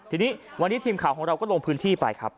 ทีนี้วันนี้ทีมข่าวของเราก็ลงพื้นที่ไปครับ